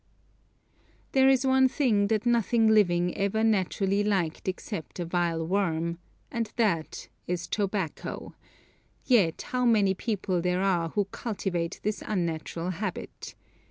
There is one thing that nothing living ever naturally liked except a vile worm, and that is tobacco; yet, how many people there are who cultivate this unnatural habit.